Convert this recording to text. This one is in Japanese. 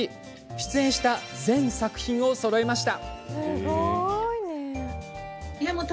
出演した全作品をそろえました。